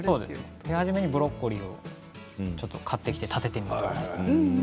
手軽にブロッコリーを買ってみて、立ててみたりね。